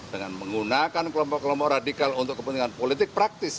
dengan menggunakan kelompok kelompok radikal untuk kepentingan politik praktis